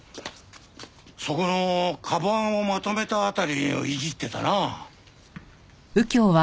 そこの鞄をまとめた辺りをいじってたな。